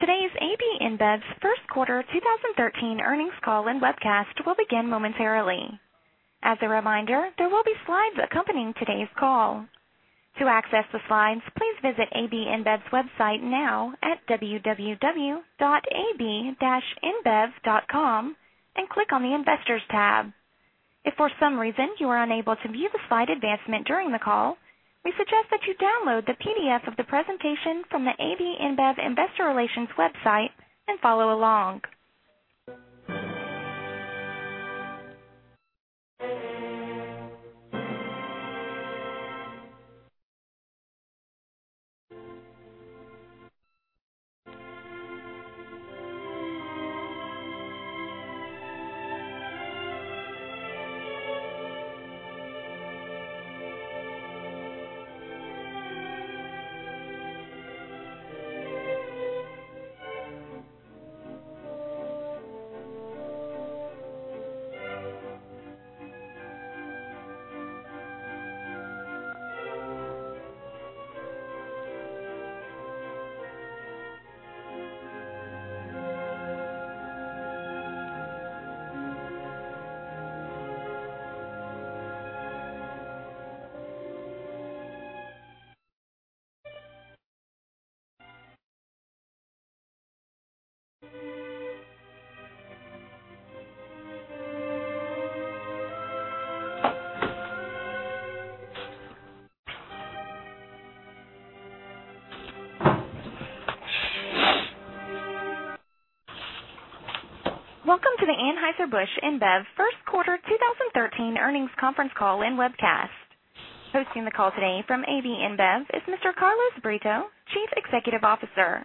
Today's AB InBev's first quarter 2013 earnings call and webcast will begin momentarily. As a reminder, there will be slides accompanying today's call. To access the slides, please visit AB InBev's website now at www.ab-inbev.com and click on the Investors tab. If for some reason you are unable to view the slide advancement during the call, we suggest that you download the PDF of the presentation from the AB InBev Investor Relations website and follow along. Welcome to the Anheuser-Busch InBev first quarter 2013 earnings conference call and webcast. Hosting the call today from AB InBev is Mr. Carlos Brito, Chief Executive Officer.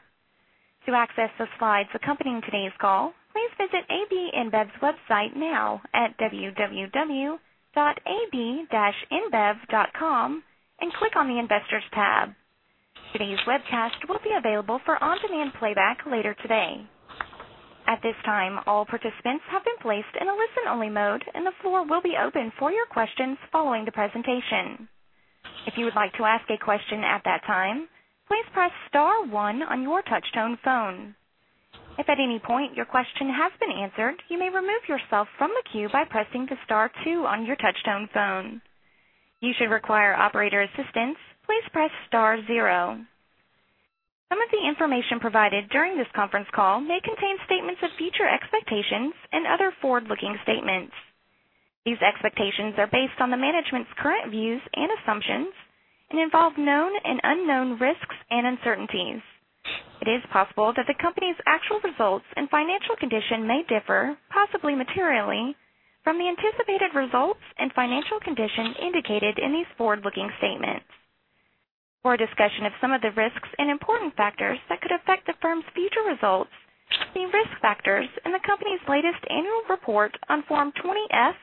To access the slides accompanying today's call, please visit AB InBev's website now at www.ab-inbev.com and click on the Investors tab. Today's webcast will be available for on-demand playback later today. At this time, all participants have been placed in a listen-only mode. The floor will be open for your questions following the presentation. If you would like to ask a question at that time, please press star one on your touchtone phone. If at any point your question has been answered, you may remove yourself from the queue by pressing the star two on your touchtone phone. If you should require operator assistance, please press star zero. Some of the information provided during this conference call may contain statements of future expectations and other forward-looking statements. These expectations are based on the management's current views and assumptions and involve known and unknown risks and uncertainties. It is possible that the company's actual results and financial condition may differ, possibly materially, from the anticipated results and financial condition indicated in these forward-looking statements. For a discussion of some of the risks and important factors that could affect the firm's future results, see risk factors in the company's latest annual report on Form 20-F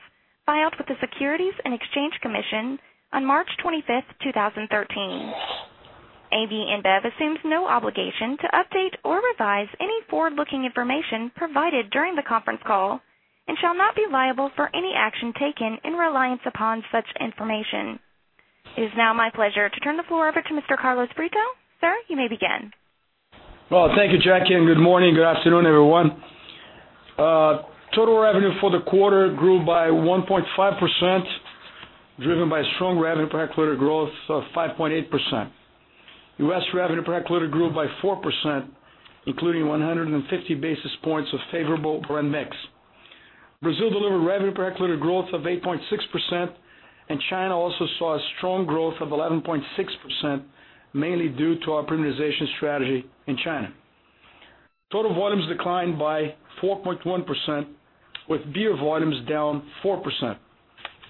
filed with the Securities and Exchange Commission on March 25th, 2013. AB InBev assumes no obligation to update or revise any forward-looking information provided during the conference call and shall not be liable for any action taken in reliance upon such information. It is now my pleasure to turn the floor over to Mr. Carlos Brito. Sir, you may begin. Well, thank you, Jackie. Good morning, good afternoon, everyone. Total revenue for the quarter grew by 1.5%, driven by strong revenue per hectolitre growth of 5.8%. U.S. revenue per hectolitre grew by 4%, including 150 basis points of favorable brand mix. Brazil delivered revenue per hectolitre growth of 8.6%. China also saw a strong growth of 11.6%, mainly due to our premiumization strategy in China. Total volumes declined by 4.1%, with beer volumes down 4%.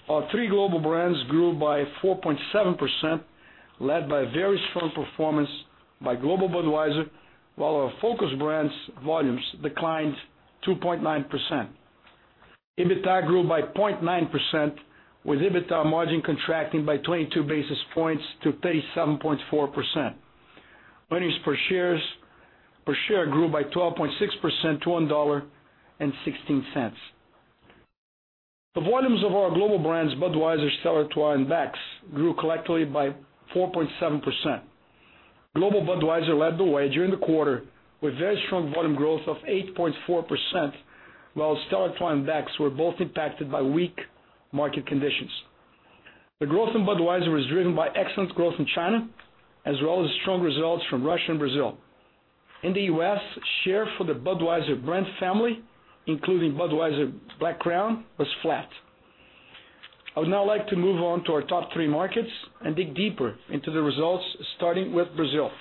Our three global brands grew by 4.7%, led by very strong performance by Global Budweiser, while our focused brands' volumes declined 2.9%. EBITDA grew by 0.9%, with EBITDA margin contracting by 22 basis points to 37.4%. Earnings per share grew by 12.6% to $1.16. The volumes of our global brands, Budweiser, Stella Artois, and Beck's, grew collectively by 4.7%. Global Budweiser led the way during the quarter with very strong volume growth of 8.4%, while Stella Artois and Beck's were both impacted by weak market conditions. The growth in Budweiser was driven by excellent growth in China, as well as strong results from Russia and Brazil. In the U.S., share for the Budweiser brand family, including Budweiser Black Crown, was flat. I would now like to move on to our top three markets and dig deeper into the results, starting with Brazil.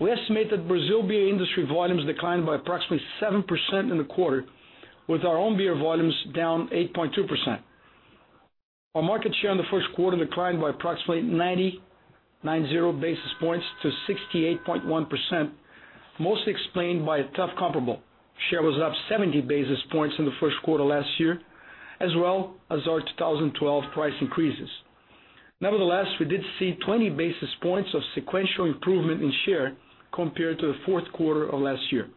We estimate that Brazil beer industry volumes declined by approximately 7% in the quarter, with our own beer volumes down 8.2%. Our market share in the first quarter declined by approximately 90 basis points to 68.1%, mostly explained by a tough comparable. Share was up 70 basis points in the first quarter last year, as well as our 2012 price increases. We did see 20 basis points of sequential improvement in share compared to the fourth quarter of last year.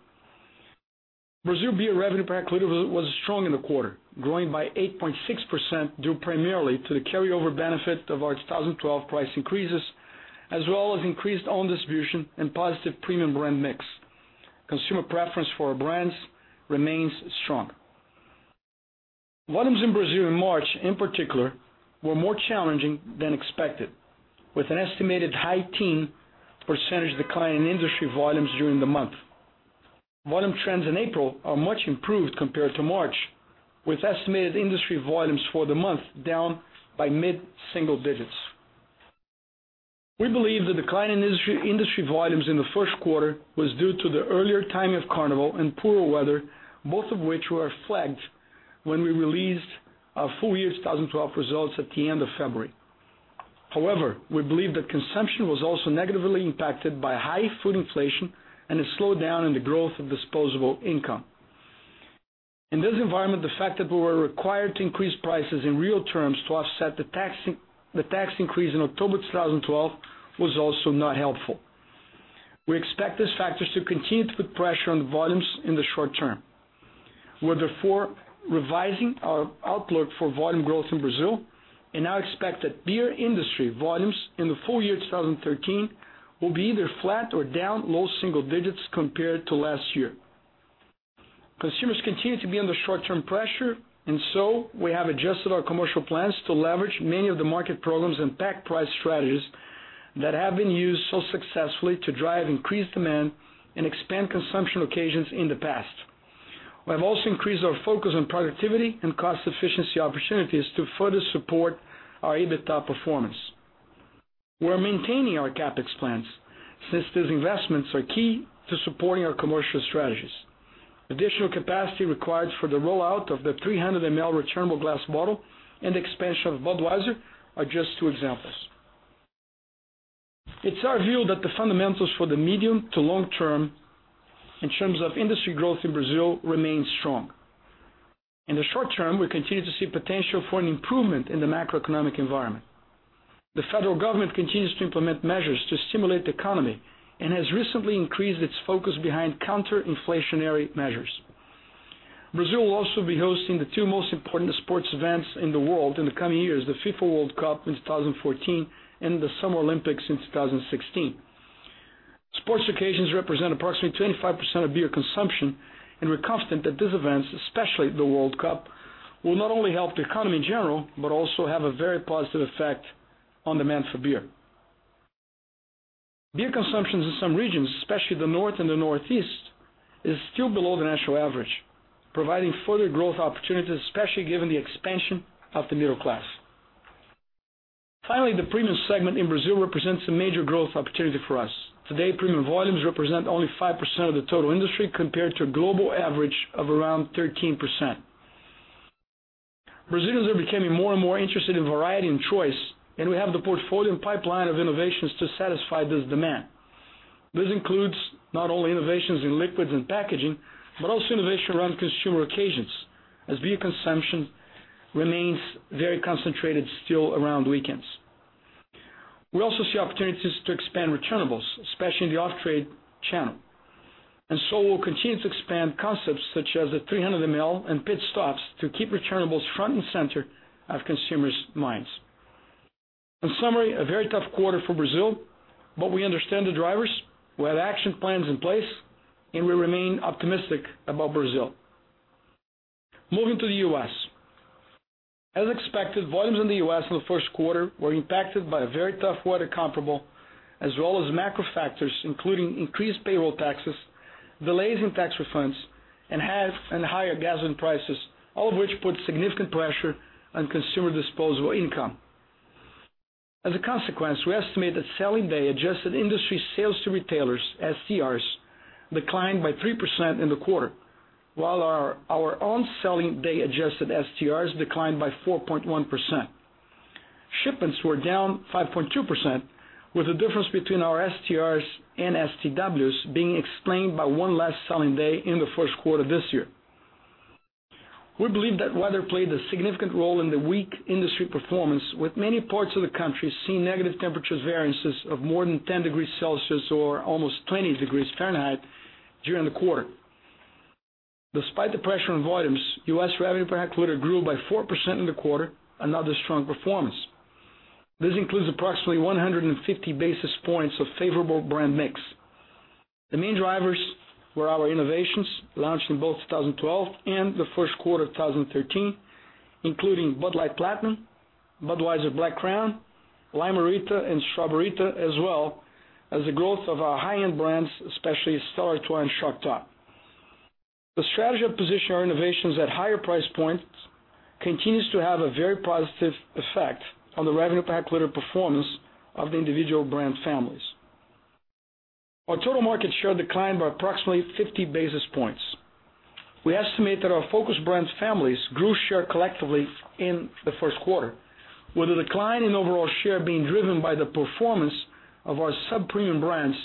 Brazil beer revenue per hectoliter was strong in the quarter, growing by 8.6%, due primarily to the carryover benefit of our 2012 price increases, as well as increased own distribution and positive premium brand mix. Consumer preference for our brands remains strong. Volumes in Brazil in March, in particular, were more challenging than expected, with an estimated high teen percentage decline in industry volumes during the month. Volume trends in April are much improved compared to March, with estimated industry volumes for the month down by mid-single digits. We believe the decline in industry volumes in the first quarter was due to the earlier timing of Carnival and poor weather, both of which were flagged when we released our full year 2012 results at the end of February. We believe that consumption was also negatively impacted by high food inflation and a slowdown in the growth of disposable income. In this environment, the fact that we were required to increase prices in real terms to offset the tax increase in October 2012 was also not helpful. We expect these factors to continue to put pressure on the volumes in the short term. We're therefore revising our outlook for volume growth in Brazil and now expect that beer industry volumes in the full year 2013 will be either flat or down low single digits compared to last year. Consumers continue to be under short-term pressure, and so we have adjusted our commercial plans to leverage many of the market programs and pack price strategies that have been used so successfully to drive increased demand and expand consumption occasions in the past. We have also increased our focus on productivity and cost efficiency opportunities to further support our EBITDA performance. We are maintaining our CapEx plans, since these investments are key to supporting our commercial strategies. Additional capacity required for the rollout of the 300ml returnable glass bottle and expansion of Budweiser are just two examples. It's our view that the fundamentals for the medium to long term, in terms of industry growth in Brazil, remain strong. In the short term, we continue to see potential for an improvement in the macroeconomic environment. The federal government continues to implement measures to stimulate the economy and has recently increased its focus behind counter-inflationary measures. Brazil will also be hosting the two most important sports events in the world in the coming years, the FIFA World Cup in 2014 and the Summer Olympics in 2016. Sports occasions represent approximately 25% of beer consumption. We're confident that these events, especially the World Cup, will not only help the economy in general, but also have a very positive effect on demand for beer. Beer consumption in some regions, especially the North and the Northeast, is still below the national average, providing further growth opportunities, especially given the expansion of the middle class. The premium segment in Brazil represents a major growth opportunity for us. Today, premium volumes represent only 5% of the total industry, compared to a global average of around 13%. Brazilians are becoming more and more interested in variety and choice. We have the portfolio and pipeline of innovations to satisfy this demand. This includes not only innovations in liquids and packaging, but also innovation around consumer occasions, as beer consumption remains very concentrated still around weekends. We also see opportunities to expand returnables, especially in the off-trade channel. We'll continue to expand concepts such as the 300ml and pit stops to keep returnables front and center of consumers' minds. In summary, a very tough quarter for Brazil. We understand the drivers, we have action plans in place, and we remain optimistic about Brazil. Moving to the U.S. As expected, volumes in the U.S. in the first quarter were impacted by a very tough weather comparable, as well as macro factors, including increased payroll taxes, delays in tax refunds, and higher gasoline prices, all of which put significant pressure on consumer disposable income. As a consequence, we estimate that selling day adjusted industry sales to retailers, STRs, declined by 3% in the quarter, while our own selling day-adjusted STRs declined by 4.1%. Shipments were down 5.2%, with the difference between our STRs and STWs being explained by one less selling day in the first quarter this year. We believe that weather played a significant role in the weak industry performance, with many parts of the country seeing negative temperatures variances of more than 10 degrees Celsius, or almost 20 degrees Fahrenheit, during the quarter. Despite the pressure on volumes, U.S. revenue per hectoliter grew by 4% in the quarter, another strong performance. This includes approximately 150 basis points of favorable brand mix. The main drivers were our innovations, launched in both 2012 and the first quarter 2013, including Bud Light Platinum, Budweiser Black Crown, Lime-A-Rita and Straw-Ber-Rita, as well as the growth of our high-end brands, especially Stella Artois and Shock Top. The strategy of positioning our innovations at higher price points continues to have a very positive effect on the revenue per hectoliter performance of the individual brand families. Our total market share declined by approximately 50 basis points. We estimate that our focused brands families grew share collectively in the first quarter, with the decline in overall share being driven by the performance of our sub-premium brands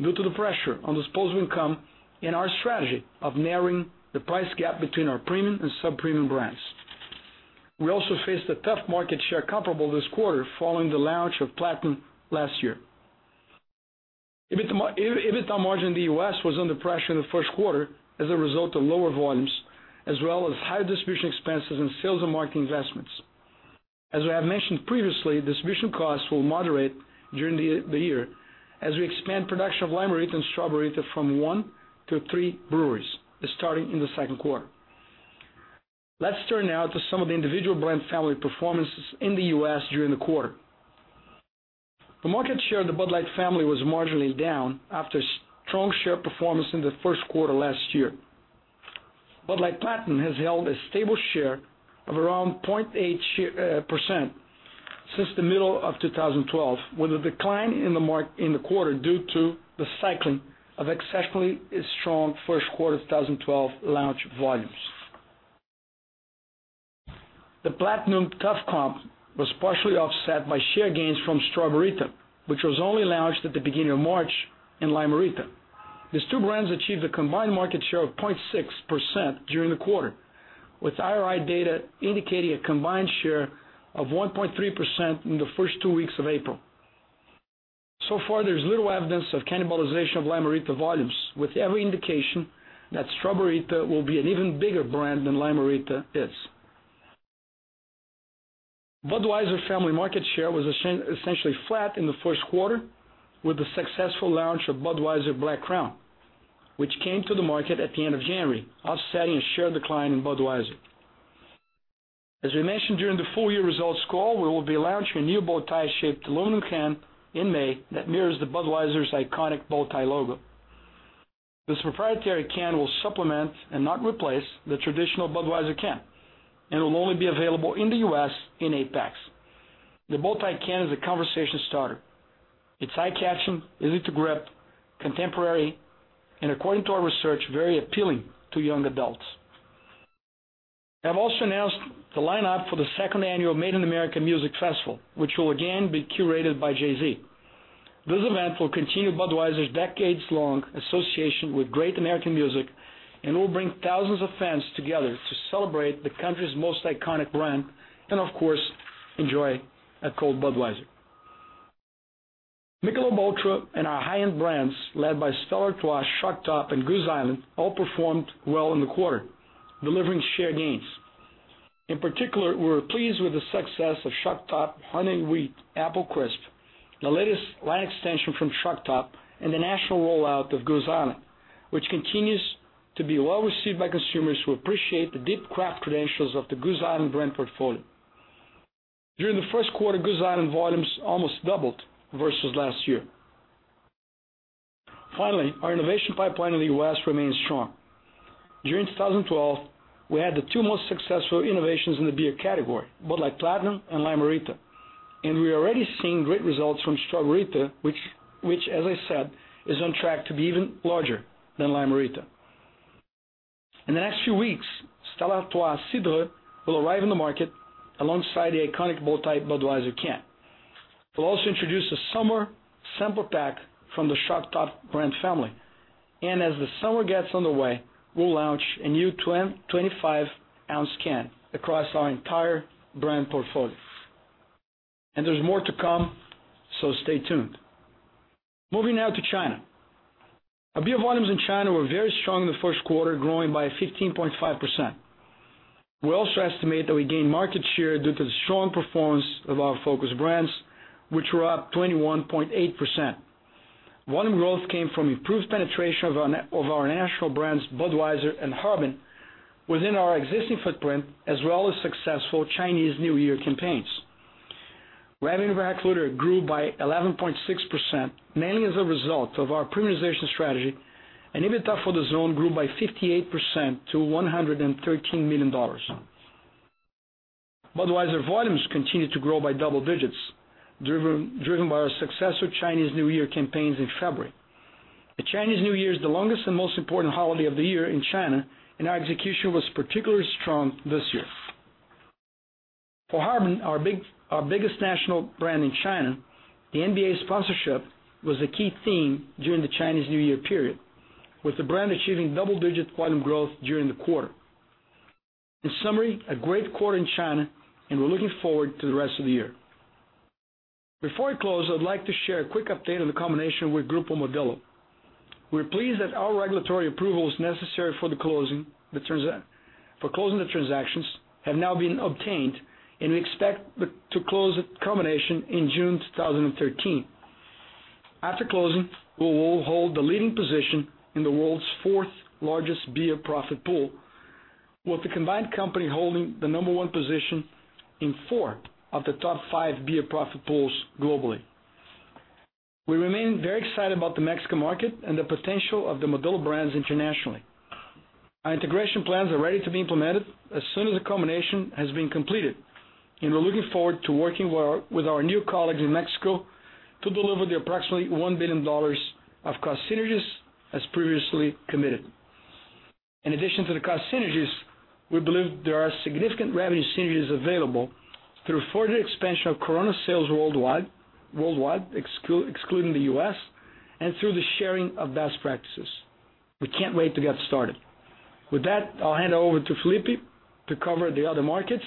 due to the pressure on disposable income and our strategy of narrowing the price gap between our premium and sub-premium brands. We also faced a tough market share comparable this quarter following the launch of Platinum last year. EBITDA margin in the U.S. was under pressure in the first quarter as a result of lower volumes, as well as higher distribution expenses and sales and marketing investments. As we have mentioned previously, distribution costs will moderate during the year as we expand production of Lime-A-Rita and Straw-Ber-Rita from one to three breweries, starting in the second quarter. Let's turn now to some of the individual brand family performances in the U.S. during the quarter. The market share of the Bud Light family was marginally down after strong share performance in the first quarter last year. Bud Light Platinum has held a stable share of around 0.8% since the middle of 2012, with a decline in the quarter due to the cycling of exceptionally strong first quarter 2012 launch volumes. The Platinum tough comp was partially offset by share gains from Straw-Ber-Rita, which was only launched at the beginning of March in Lime-A-Rita. Far, there's little evidence of cannibalization of Lime-A-Rita volumes, with every indication that Straw-Ber-Rita will be an even bigger brand than Lime-A-Rita is. Budweiser family market share was essentially flat in the first quarter with the successful launch of Budweiser Black Crown, which came to the market at the end of January, offsetting a share decline in Budweiser. As we mentioned during the full year results call, we will be launching a new bow tie shaped aluminum can in May that mirrors the Budweiser's iconic bow tie logo. This proprietary can will supplement and not replace the traditional Budweiser can and will only be available in the U.S. in eight packs. The bow tie can is a conversation starter. It's eye-catching, easy to grip, contemporary, and according to our research, very appealing to young adults. I've also announced the lineup for the second annual Budweiser Made in America, which will again be curated by Jay-Z. This event will continue Budweiser's decades-long association with great American music and will bring thousands of fans together to celebrate the country's most iconic brand and of course, enjoy a cold Budweiser. Michelob ULTRA and our high-end brands, led by Stella Artois, Shock Top, and Goose Island, all performed well in the quarter, delivering share gains. In particular, we were pleased with the success of Shock Top Honeycrisp Apple Wheat, the latest line extension from Shock Top and the national rollout of Goose Island, which continues to be well received by consumers who appreciate the deep craft credentials of the Goose Island brand portfolio. During the first quarter, Goose Island volumes almost doubled versus last year. Finally, our innovation pipeline in the U.S. remains strong. During 2012, we had the two most successful innovations in the beer category, Bud Light Platinum and Lime-A-Rita. We are already seeing great results from Straw-Ber-Rita, which as I said, is on track to be even larger than Lime-A-Rita. In the next few weeks, Stella Artois Cidre will arrive in the market alongside the iconic bow tie Budweiser can. We'll also introduce a summer sampler pack from the Shock Top brand family. As the summer gets on the way, we'll launch a new 25-ounce can across our entire brand portfolio. There's more to come, so stay tuned. Moving now to China. Our beer volumes in China were very strong in the first quarter, growing by 15.5%. We also estimate that we gained market share due to the strong performance of our focused brands, which were up 21.8%. Volume growth came from improved penetration of our national brands, Budweiser and Harbin, within our existing footprint, as well as successful Chinese New Year campaigns. Revenue per hectoliter grew by 11.6%, mainly as a result of our premiumization strategy. EBITDA for the zone grew by 58% to $113 million. Budweiser volumes continued to grow by double digits, driven by our successful Chinese New Year campaigns in February. The Chinese New Year is the longest and most important holiday of the year in China. Our execution was particularly strong this year. For Harbin, our biggest national brand in China, the NBA sponsorship was a key theme during the Chinese New Year period, with the brand achieving double-digit volume growth during the quarter. In summary, a great quarter in China. We're looking forward to the rest of the year. Before I close, I would like to share a quick update on the combination with Grupo Modelo. We're pleased that all regulatory approvals necessary for closing the transactions have now been obtained. We expect to close the combination in June 2013. After closing, we will hold the leading position in the world's fourth largest beer profit pool, with the combined company holding the number 1 position in four of the top five beer profit pools globally. We remain very excited about the Mexican market and the potential of the Modelo brands internationally. Our integration plans are ready to be implemented as soon as the combination has been completed. We're looking forward to working with our new colleagues in Mexico to deliver the approximately $1 billion of cost synergies as previously committed. In addition to the cost synergies, we believe there are significant revenue synergies available through further expansion of Corona sales worldwide, excluding the U.S., and through the sharing of best practices. We can't wait to get started. With that, I'll hand over to Felipe to cover the other markets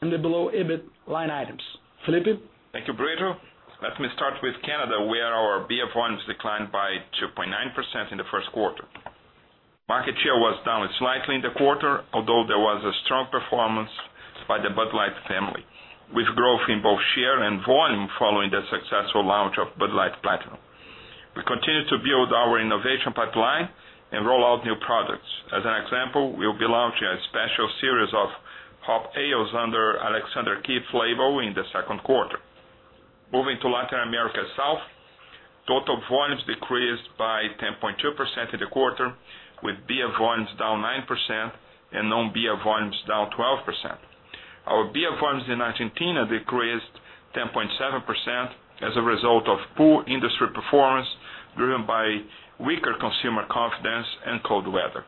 and the below EBIT line items. Felipe? Thank you, Brito. Let me start with Canada, where our beer volumes declined by 2.9% in the first quarter. Market share was down slightly in the quarter, although there was a strong performance by the Bud Light family, with growth in both share and volume following the successful launch of Bud Light Platinum. We continue to build our innovation pipeline and roll out new products. As an example, we will be launching a special series of hop ales under Alexander Keith's flavor in the second quarter. Moving to Latin America South, total volumes decreased by 10.2% in the quarter, with beer volumes down 9% and non-beer volumes down 12%. Our beer volumes in Argentina decreased 10.7% as a result of poor industry performance, driven by weaker consumer confidence and cold weather.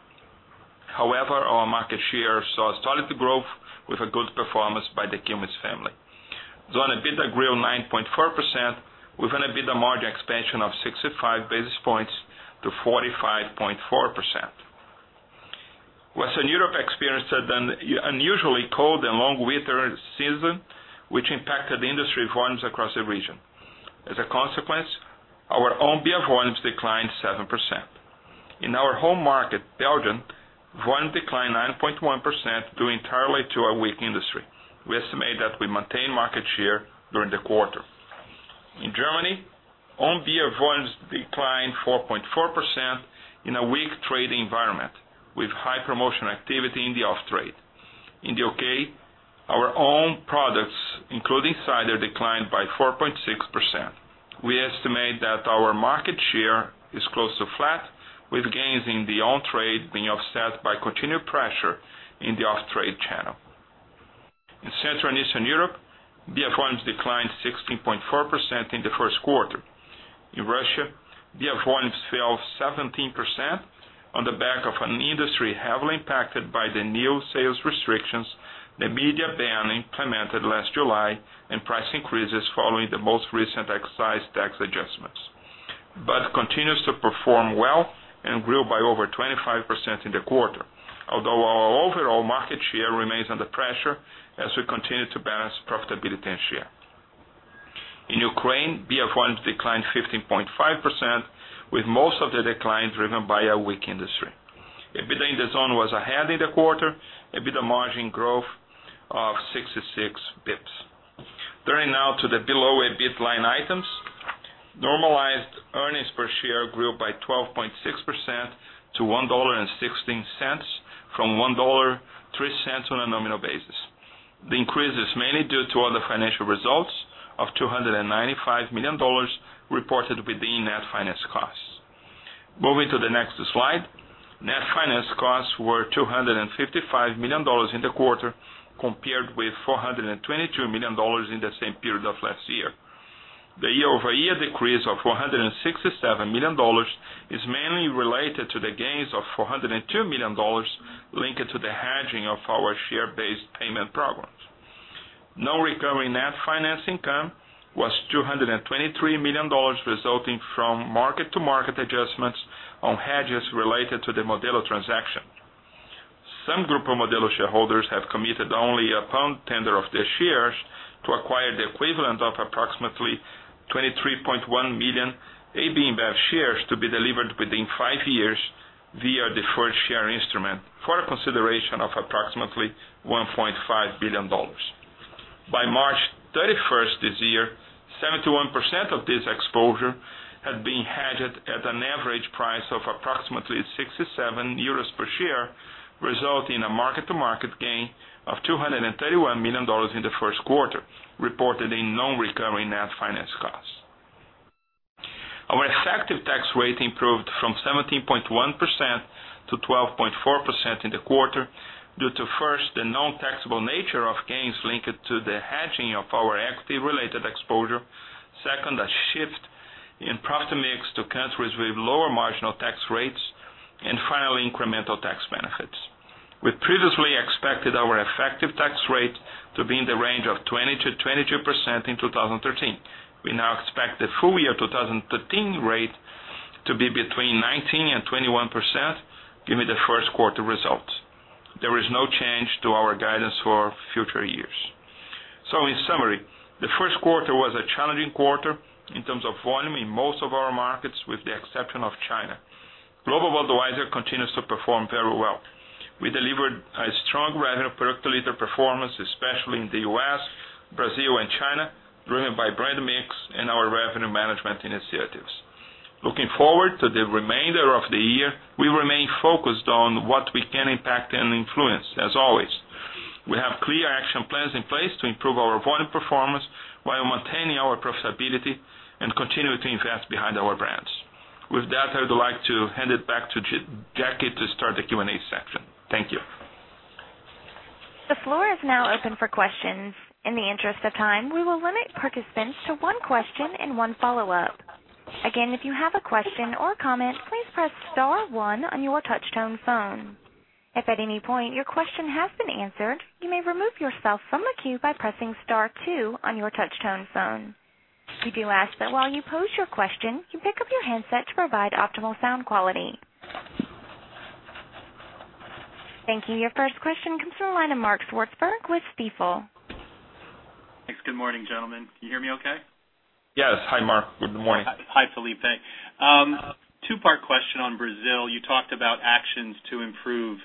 However, our market share saw solid growth with a good performance by the Quilmes family. EBITDA grew 9.4% with an EBITDA margin expansion of 65 basis points to 45.4%. Western Europe experienced an unusually cold and long winter season, which impacted industry volumes across the region. As a consequence, our own beer volumes declined 7%. In our home market, Belgium, volume declined 9.1% due entirely to a weak industry. We estimate that we maintained market share during the quarter. In Germany, own beer volumes declined 4.4% in a weak trade environment, with high promotional activity in the off-trade. In the U.K., our own products, including cider, declined by 4.6%. We estimate that our market share is close to flat, with gains in the on-trade being offset by continued pressure in the off-trade channel. In Central and Eastern Europe, beer volumes declined 16.4% in the first quarter. In Russia, beer volumes fell 17% on the back of an industry heavily impacted by the new sales restrictions, the media ban implemented last July, and price increases following the most recent excise tax adjustments. Bud continues to perform well and grew by over 25% in the quarter, although our overall market share remains under pressure as we continue to balance profitability and share. In Ukraine, beer volumes declined 15.5%, with most of the decline driven by a weak industry. EBITDA in the zone was ahead in the quarter, EBITDA margin growth of 66 basis points. Turning now to the below EBIT line items. Normalized earnings per share grew by 12.6% to $1.16 from $1.03 on a nominal basis. The increase is mainly due to other financial results of $295 million reported within net finance costs. Moving to the next slide. Net finance costs were $255 million in the quarter, compared with $422 million in the same period of last year. The year-over-year decrease of $467 million is mainly related to the gains of $402 million linked to the hedging of our share-based payment programs. Non-recurring net finance income was $223 million, resulting from market-to-market adjustments on hedges related to the Modelo transaction. Some group of Modelo shareholders have committed only upon tender of their shares to acquire the equivalent of approximately 23.1 million AB InBev shares to be delivered within five years via deferred share instrument for a consideration of approximately $1.5 billion. By March 31st this year, 71% of this exposure had been hedged at an average price of approximately 67 euros per share, resulting in a market-to-market gain of $231 million in the first quarter, reported in non-recurring net finance costs. Our effective tax rate improved from 17.1% to 12.4% in the quarter due to, first, the non-taxable nature of gains linked to the hedging of our equity-related exposure, second, a shift in profit mix to countries with lower marginal tax rates, and finally, incremental tax benefits. We previously expected our effective tax rate to be in the range of 20%-22% in 2013. We now expect the full year 2013 rate to be between 19% and 21%, given the first quarter results. There is no change to our guidance for future years. In summary, the first quarter was a challenging quarter in terms of volume in most of our markets, with the exception of China. Global Budweiser continues to perform very well. We delivered a strong revenue per hectoliter performance, especially in the U.S., Brazil, and China, driven by brand mix and our revenue management initiatives. Looking forward to the remainder of the year, we remain focused on what we can impact and influence, as always. We have clear action plans in place to improve our volume performance while maintaining our profitability and continuing to invest behind our brands. With that, I would like to hand it back to Jackie to start the Q&A section. Thank you. The floor is now open for questions. In the interest of time, we will limit participants to one question and one follow-up. Again, if you have a question or comment, please press star one on your touchtone phone. If at any point your question has been answered, you may remove yourself from the queue by pressing star two on your touchtone phone. We do ask that while you pose your question, you pick up your handset to provide optimal sound quality. Thank you. Your first question comes from the line of Mark Swartzberg with Stifel. Thanks. Good morning, gentlemen. Can you hear me okay? Yes. Hi, Mark. Good morning. Hi, Felipe. Two-part question on Brazil. You talked about actions to improve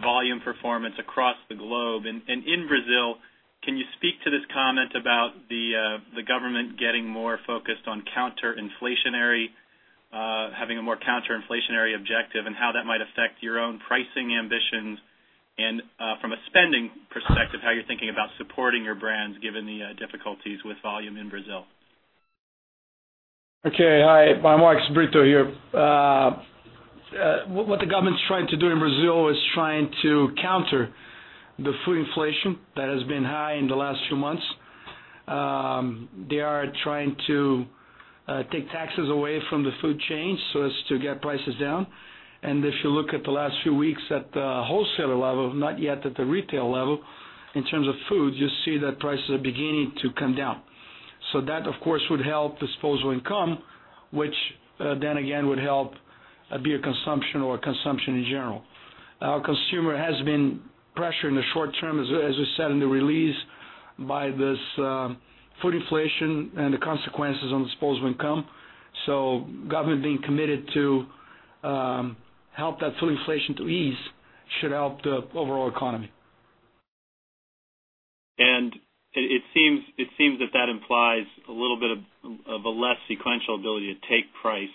volume performance across the globe. In Brazil, can you speak to this comment about the government getting more focused on having a more counter-inflationary objective, how that might affect your own pricing ambitions? From a spending perspective, how you're thinking about supporting your brands, given the difficulties with volume in Brazil? Okay. Hi, Mark. It's Brito here. What the government's trying to do in Brazil is trying to counter the food inflation that has been high in the last few months. They are trying to take taxes away from the food chain, so as to get prices down. If you look at the last few weeks at the wholesaler level, not yet at the retail level, in terms of food, you see that prices are beginning to come down. That, of course, would help disposable income, which then again, would help beer consumption or consumption in general. Our consumer has been pressured in the short term, as we said in the release, by this food inflation and the consequences on disposable income. Government being committed to help that food inflation to ease should help the overall economy. It seems that implies a little bit of a less sequential ability to take price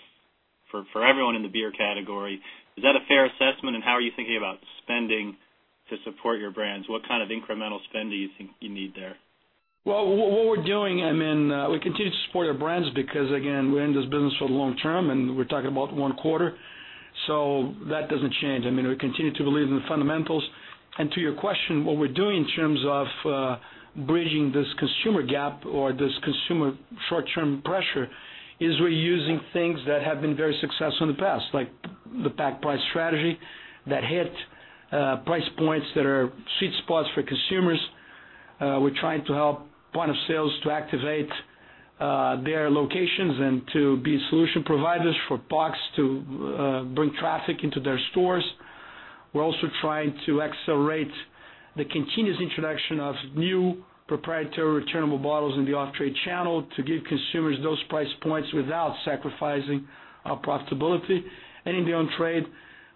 for everyone in the beer category. Is that a fair assessment, how are you thinking about spending to support your brands? What kind of incremental spend do you think you need there? Well, what we're doing, we continue to support our brands because, again, we're in this business for the long term. We're talking about one quarter, so that doesn't change. We continue to believe in the fundamentals. To your question, what we're doing in terms of bridging this consumer gap or this consumer short-term pressure is we're using things that have been very successful in the past, like the pack price strategy that hit price points that are sweet spots for consumers. We're trying to help point of sale to activate their locations and to be solution providers for packs to bring traffic into their stores. We're also trying to accelerate the continuous introduction of new proprietary returnable bottles in the off-trade channel to give consumers those price points without sacrificing our profitability. In the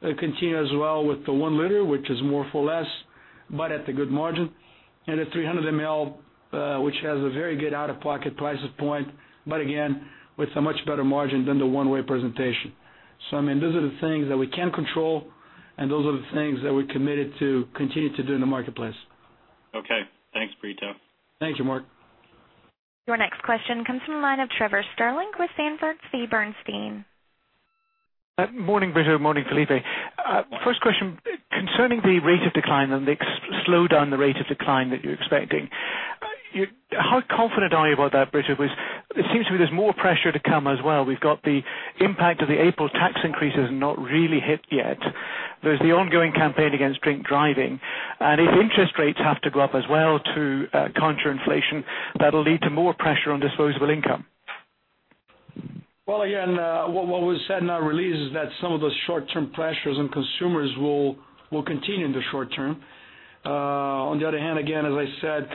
on-trade, continue as well with the one liter, which is more for less, but at a good margin. The 300 ml, which has a very good out-of-pocket price point, but again, with a much better margin than the one-way presentation. These are the things that we can control and those are the things that we're committed to continue to do in the marketplace. Okay. Thanks, Brito. Thank you, Mark. Your next question comes from the line of Trevor Stirling with Sanford C. Bernstein. Morning, Brito. Morning, Felipe. First question, concerning the rate of decline and the slow down the rate of decline that you're expecting. How confident are you about that, Brito? Because it seems to me there's more pressure to come as well. We've got the impact of the April tax increases not really hit yet. There's the ongoing campaign against drink driving. If interest rates have to go up as well to counter inflation, that'll lead to more pressure on disposable income. Well, again, what was said in our release is that some of those short-term pressures on consumers will continue in the short term. On the other hand, again, as I said,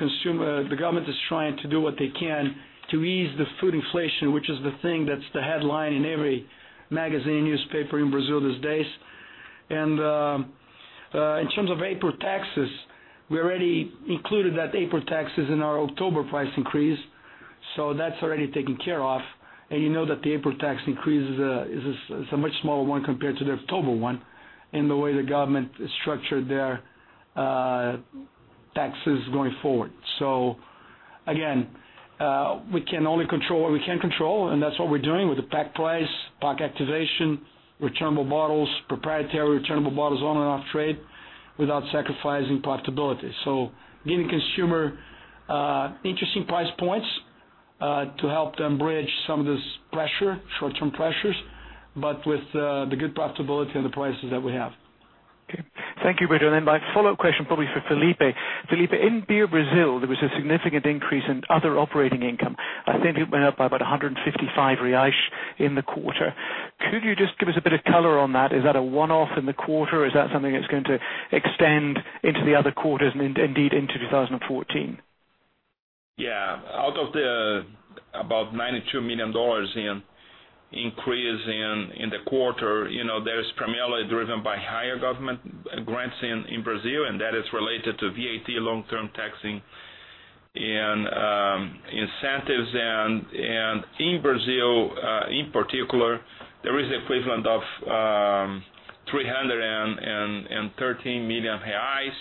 the government is trying to do what they can to ease the food inflation, which is the thing that's the headline in every magazine, newspaper in Brazil these days. In terms of April taxes, we already included that April taxes in our October price increase. That's already taken care of. You know that the April tax increase is a much smaller one compared to the October one in the way the government structured their taxes going forward. Again, we can only control what we can control, and that's what we're doing with the pack price, pack activation, returnable bottles, proprietary returnable bottles on and off trade without sacrificing profitability. Giving consumer interesting price points to help them bridge some of this pressure, short-term pressures, but with the good profitability and the prices that we have. Okay. Thank you, Brito. My follow-up question probably for Felipe. Felipe, in Beer Brazil, there was a significant increase in other operating income. I think it went up by about 155 reais in the quarter. Could you just give us a bit of color on that? Is that a one-off in the quarter, or is that something that's going to extend into the other quarters and indeed into 2014? Yeah. Out of the about $92 million in increase in the quarter, that is primarily driven by higher government grants in Brazil, that is related to VAT long-term taxing and incentives. In Brazil, in particular, there is the equivalent of 313 million reais,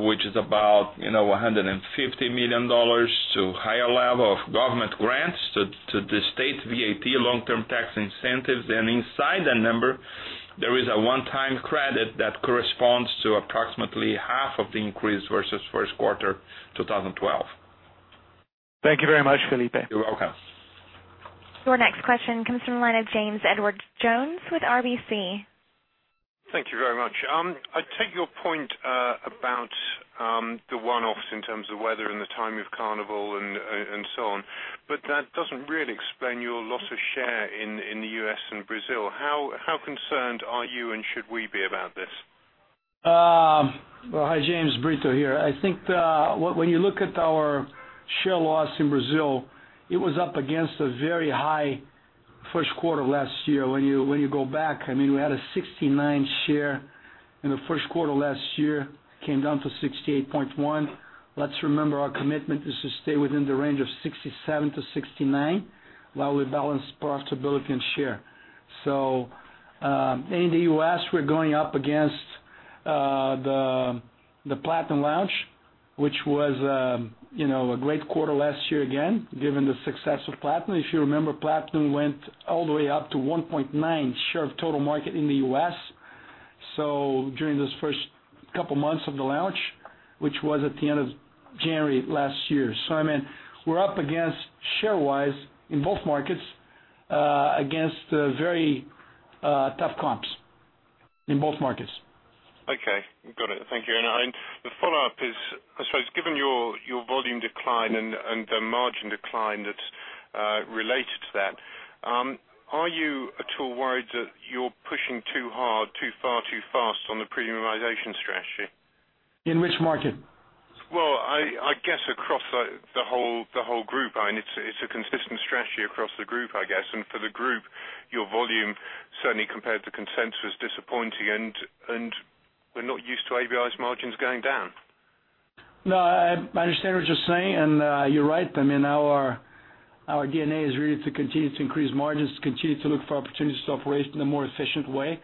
which is about $150 million to higher level of government grants to the state VAT long-term tax incentives. Inside that number, there is a one-time credit that corresponds to approximately half of the increase versus first quarter 2012. Thank you very much, Felipe. You're welcome. Your next question comes from the line of James Edwardes Jones with RBC. Thank you very much. I take your point about the one-offs in terms of weather and the time of Carnival and so on. That doesn't really explain your loss of share in the U.S. and Brazil. How concerned are you, and should we be about this? Well, hi, James. Brito here. I think when you look at our share loss in Brazil, it was up against a very high first quarter last year. When you go back, we had a 69 share in the first quarter last year, came down to 68.1. Let's remember our commitment is to stay within the range of 67-69 while we balance profitability and share. In the U.S., we're going up against the Platinum launch, which was a great quarter last year, again, given the success of Platinum. If you remember, Platinum went all the way up to 1.9 share of total market in the U.S., during those first couple of months of the launch, which was at the end of January last year. We're up against share-wise in both markets, against very tough comps in both markets. Okay, got it. Thank you. The follow-up is, I suppose, given your volume decline and the margin decline that's related to that, are you at all worried that you're pushing too hard, too far, too fast on the premiumization strategy? In which market? Well, I guess across the whole group. It's a consistent strategy across the group, I guess. For the group, your volume certainly compared to consensus, disappointing, and we're not used to ABI's margins going down. No, I understand what you're saying, and you're right. Our DNA is really to continue to increase margins, to continue to look for opportunities to operate in a more efficient way.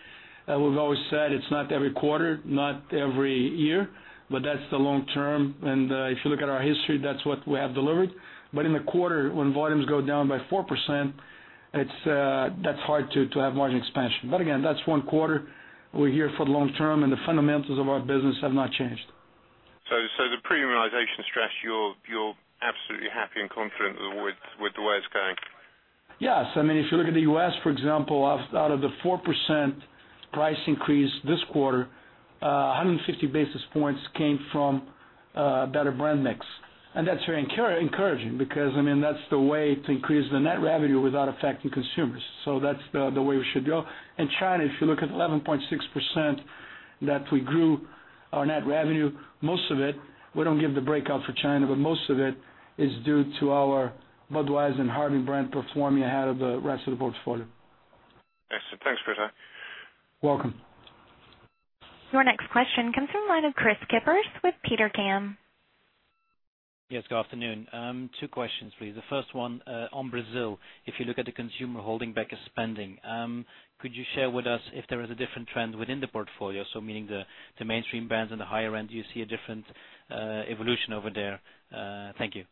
We've always said it's not every quarter, not every year, but that's the long term. If you look at our history, that's what we have delivered. In a quarter, when volumes go down by 4%, that's hard to have margin expansion. Again, that's one quarter. We're here for the long term, and the fundamentals of our business have not changed. The premiumization strategy, you're absolutely happy and confident with the way it's going. Yes. If you look at the U.S., for example, out of the 4% price increase this quarter, 150 basis points came from better brand mix. That's very encouraging because that's the way to increase the net revenue without affecting consumers. That's the way we should go. In China, if you look at 11.6% that we grew our net revenue, most of it, we don't give the breakout for China, but most of it is due to our Budweiser and Harbin brand performing ahead of the rest of the portfolio. Excellent. Thanks, Brito. Welcome. Your next question comes from the line of Chris Pitcher with Petercam. Yes, good afternoon. Two questions, please. The first one on Brazil. If you look at the consumer holding back spending, could you share with us if there is a different trend within the portfolio? Meaning the mainstream brands and the higher end, do you see a different evolution over there? Thank you.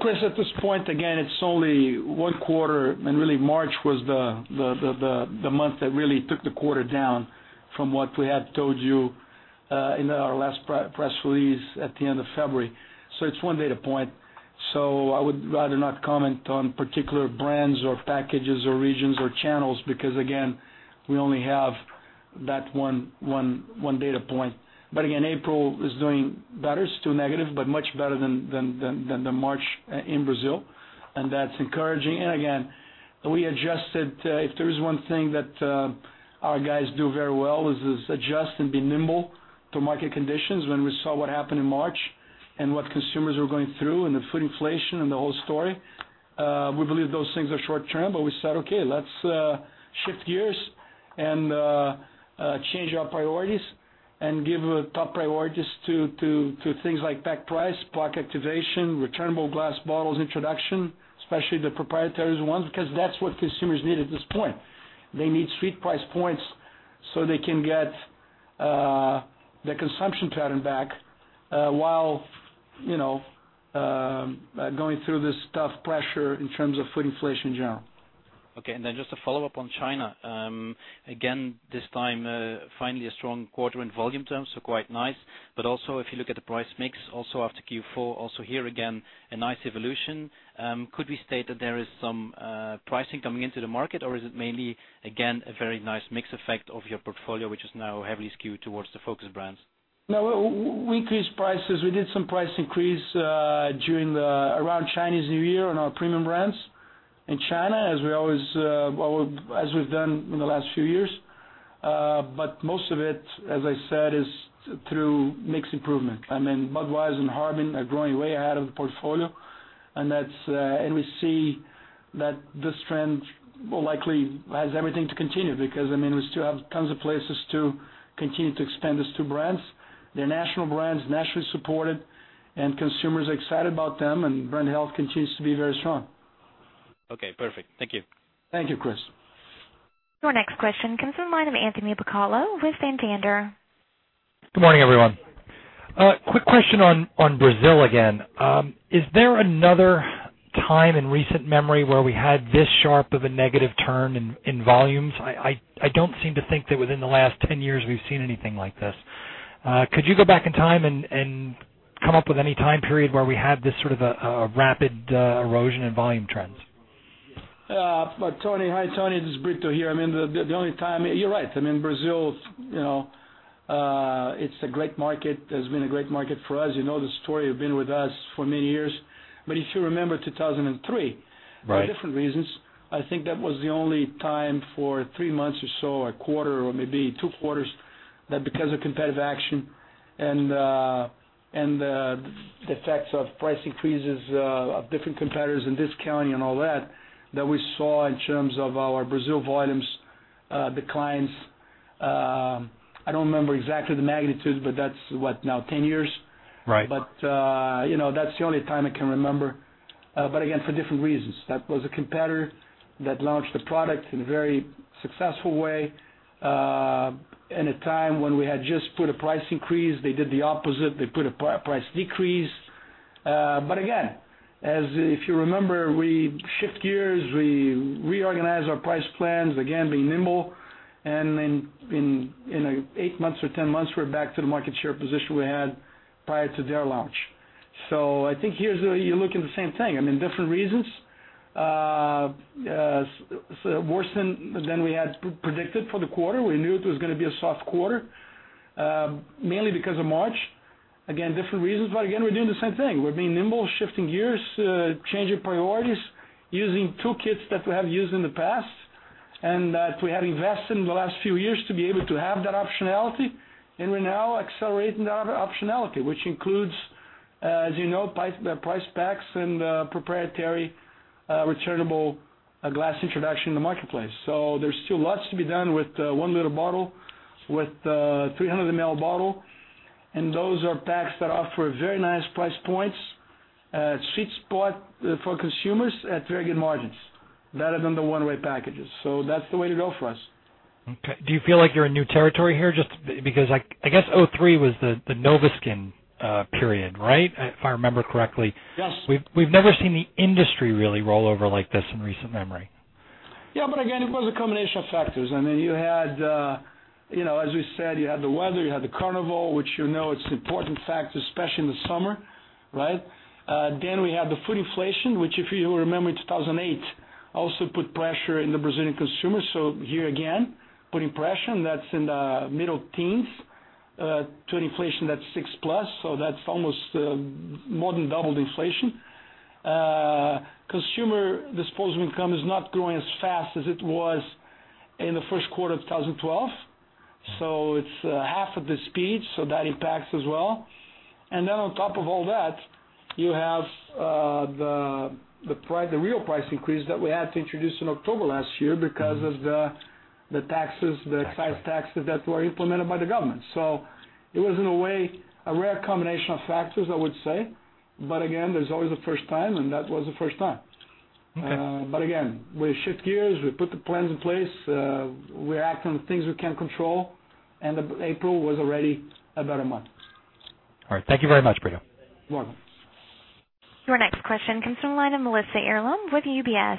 Chris, at this point, again, it's only one quarter. Really March was the month that really took the quarter down from what we had told you in our last press release at the end of February. It's one data point. I would rather not comment on particular brands or packages or regions or channels, because again, we only have that one data point. April is doing better. Still negative, but much better than the March in Brazil. That's encouraging. Again, we adjusted. If there's one thing that our guys do very well is adjust and be nimble to market conditions. When we saw what happened in March and what consumers were going through and the food inflation and the whole story, we believe those things are short-term. We said, "Okay, let's shift gears and change our priorities and give top priorities to things like pack price, pack activation, returnable glass bottles introduction, especially the proprietary ones," because that's what consumers need at this point. They need street price points so they can get their consumption pattern back while going through this tough pressure in terms of food inflation in general. Just a follow-up on China. Again, this time, finally a strong quarter in volume terms, quite nice. If you look at the price mix also after Q4, also here again, a nice evolution. Could we state that there is some pricing coming into the market, or is it mainly, again, a very nice mix effect of your portfolio, which is now heavily skewed towards the focus brands? No, we increased prices. We did some price increase around Chinese New Year on our premium brands in China, as we've done in the last few years. Most of it, as I said, is through mix improvement. Budweiser and Harbin are growing way ahead of the portfolio, and we see that this trend will likely has everything to continue because we still have tons of places to continue to expand these two brands. They're national brands, nationally supported, and consumers are excited about them, and brand health continues to be very strong. Okay, perfect. Thank you. Thank you, Chris. Your next question comes from the line of Anthony Piccola with [Van Sander]. Good morning, everyone. Quick question on Brazil again. Is there another time in recent memory where we had this sharp of a negative turn in volumes? I don't seem to think that within the last 10 years we've seen anything like this. Could you go back in time and come up with any time period where we had this sort of a rapid erosion in volume trends? Hi, Tony. This is Brito here. You're right. Brazil it's a great market, has been a great market for us. You know the story, you've been with us for many years. If you remember 2003. Right for different reasons, I think that was the only time for three months or so, a quarter or maybe two quarters, that because of competitive action and the effects of price increases of different competitors and discounting and all that we saw in terms of our Brazil volumes declines. I don't remember exactly the magnitude, but that's what, now, 10 years? Right. That's the only time I can remember. Again, for different reasons. That was a competitor that launched a product in a very successful way, in a time when we had just put a price increase. They did the opposite. They put a price decrease. Again, if you remember, we shift gears, we reorganize our price plans, again, being nimble. In eight months or 10 months, we're back to the market share position we had prior to their launch. I think here, you're looking at the same thing. Different reasons. Worse than we had predicted for the quarter. We knew it was going to be a soft quarter, mainly because of March. Again, different reasons, but again, we're doing the same thing. We're being nimble, shifting gears, changing priorities, using toolkits that we have used in the past, and that we have invested in the last few years to be able to have that optionality. We're now accelerating that optionality, which includes, as you know, price packs and proprietary returnable glass introduction in the marketplace. There's still lots to be done with the one-liter bottle, with the 300 ml bottle, and those are packs that offer very nice price points, sweet spot for consumers at very good margins, better than the one-way packages. That's the way to go for us. Okay. Do you feel like you're in new territory here? Just because, I guess 2003 was the Nova Schin period, right? If I remember correctly. Yes. We've never seen the industry really roll over like this in recent memory. It was a combination of factors. As we said, you had the weather, you had the Carnival, which you know it's an important factor, especially in the summer, right? We had the food inflation, which if you remember 2008, also put pressure in the Brazilian consumers. Here again, putting pressure, and that's in the middle teens to an inflation that's 6-plus, that's almost more than doubled inflation. Consumer disposable income is not growing as fast as it was in the first quarter of 2012. It's half of the speed, that impacts as well. On top of all that, you have the real price increase that we had to introduce in October last year because of the excise taxes that were implemented by the government. It was, in a way, a rare combination of factors, I would say. Again, there's always a first time, and that was the first time. Okay. Again, we shift gears. We put the plans in place. We act on things we can control, and April was already a better month. All right. Thank you very much, Brito. You're welcome. Your next question comes from the line of Melissa Mirabile with UBS.